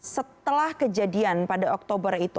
setelah kejadian pada oktober itu